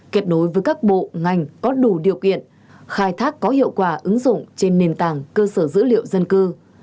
kết nối với các bộ ngành có đủ điều kiện khai thác có hiệu quả ứng dụng trên nền tảng cơ sở dữ liệu dân cư